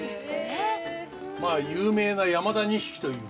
まあ有名な山田錦という。